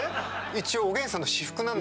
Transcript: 一応おげんさんの私服なんだけど。